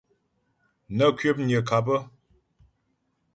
Nə́ kwəpnyə́ ŋkâp.